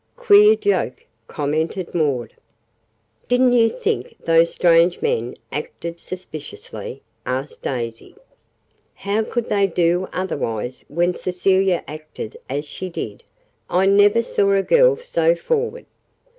"Queer joke," commented Maud. "Didn't you think those strange men acted suspiciously?" asked Daisy. "How could they do otherwise when Cecilia acted as she did? I never saw a girl so forward."